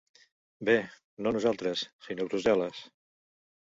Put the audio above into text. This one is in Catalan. Bé, no nosaltres, sinó Brussel·les.